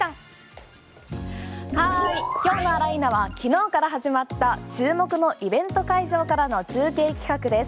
今日のあら、いーな！は昨日から始まった注目のイベント会場からの中継企画です。